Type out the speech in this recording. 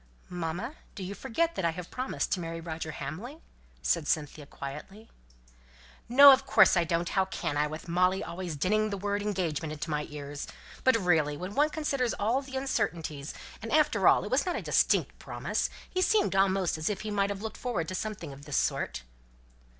"Mamma, do you forget that I have promised to marry Roger Hamley?" said Cynthia quietly. "No! of course I don't how can I, with Molly always dinning the word 'engagement' into my ears? But really, when one considers all the uncertainties, and after all it was not a distinct promise, he seemed almost as if he might have looked forward to something of this sort."